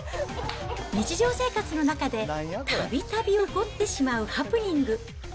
日常生活の中で、たびたび起こってしまうハプニング。